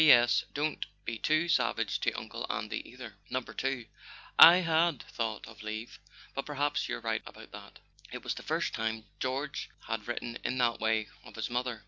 "P. S. Don't be too savage to Uncle Andy either. "No. 2.—I had thought of leave; but perhaps you're right about that." It was the first time George had written in that way of his mother.